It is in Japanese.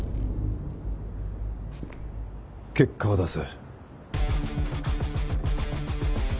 結果を出せ。